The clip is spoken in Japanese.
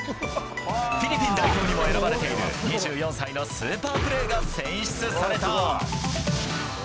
フィリピン代表にも選ばれている２４歳のスーパープレーが選出された。